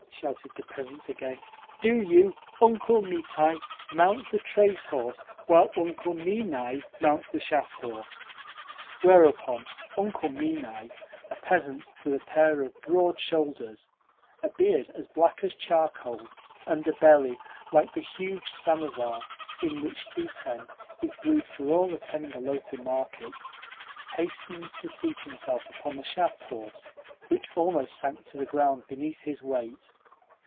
shouted the peasants again. "Do you, Uncle Mitai, mount the trace horse, while Uncle Minai mounts the shaft horse." Whereupon Uncle Minai a peasant with a pair of broad shoulders, a beard as black as charcoal, and a belly like the huge samovar in which sbiten is brewed for all attending a local market hastened to seat himself upon the shaft horse, which almost sank to the ground beneath his weight.